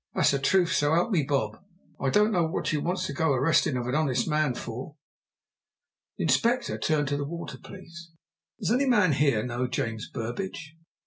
That's the truth so 'elp me bob! I don't know what you wants to go arrestin' of an honest man for." The Inspector turned to the water police. "Does any man here know James Burbidge?"